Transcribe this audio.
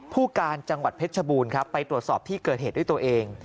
ผู้การจังหวัดเพชรชบูรณ์ครับไปตรวจสอบที่เกิดเหตุด้วยตัวเอง